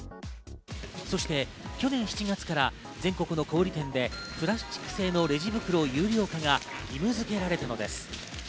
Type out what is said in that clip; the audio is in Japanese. そして去年７月から全国の小売店でプラスチック製のレジ袋有料化が義務づけられたのです。